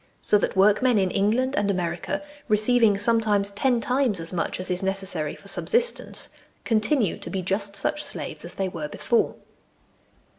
So that workmen in England and America, receiving sometimes ten times as much as is necessary for subsistence, continue to be just such slaves as they were before.